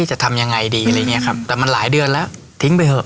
จะทำอย่างไรดีอะไรเงี้ยแต่มันหลายเดือนแล้วทิ้งไปเผรึย์